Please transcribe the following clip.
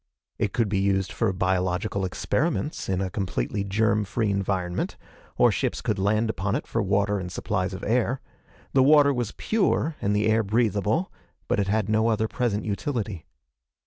It could be used for biological experiments in a completely germ free environment, or ships could land upon it for water and supplies of air. The water was pure and the air breathable, but it had no other present utility.